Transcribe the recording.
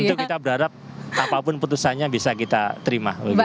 tentu kita berharap apapun putusannya bisa kita terima